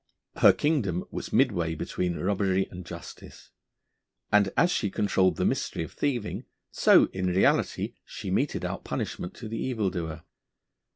Her kingdom was midway between robbery and justice. And as she controlled the mystery of thieving so, in reality, she meted out punishment to the evildoer.